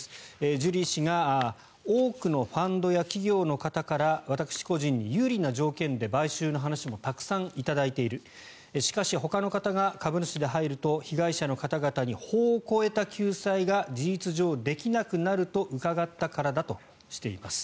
ジュリー氏が多くのファンドや企業の方から私個人に有利な条件で買収の話もたくさん頂いているしかし、ほかの方が株主で入ると被害者の方々に法を超えた救済が事実上できなくなると伺ったからだとしています。